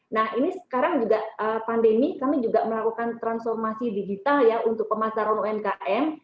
nah ini sekarang juga pandemi kami juga melakukan transformasi digital ya untuk pemasaran umkm